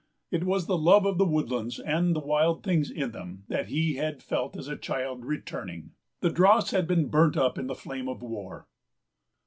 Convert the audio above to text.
It was the love of the woodlands and the wild things in them, that he had felt as a child, returning. The dross had been burnt up in the flame of war.